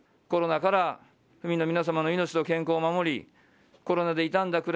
コロナから府民の皆様の命と健康を守りコロナでいたんだ